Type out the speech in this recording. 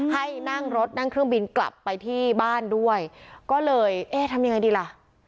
ให้นั่งรถนั่งเครื่องบินกลับไปที่บ้านด้วยก็เลยเอ๊ะทำยังไงดีล่ะ